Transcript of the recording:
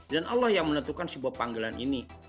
dan allah yang menentukan sebuah panggilan ini